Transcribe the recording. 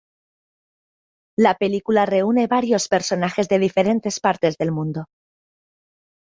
La película reúne varios personajes de diferentes partes del mundo.